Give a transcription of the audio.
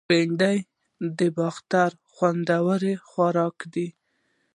بېنډۍ د باختر خوندور خوراک دی